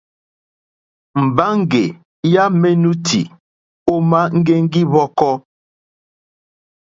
Mbaŋgè ja menuti òma ŋgɛŋgi hvɔkɔ.